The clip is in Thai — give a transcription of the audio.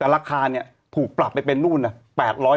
แต่ราคาเนี่ยถูกปรับไปเป็นนู่นน่ะ